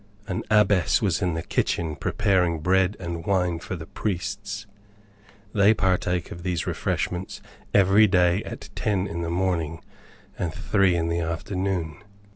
An Abbess was in the kitchen preparing bread and wine for the priests (they partake of these refreshments every day at ten in the morning and three in the afternoon).